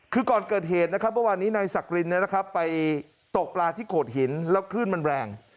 คือก่อนเกิดเหตุนะครับว่าวันนี้นายสักรินเนี้ยนะครับไปตกปลาที่โกดหินแล้วขึ้นมันแรง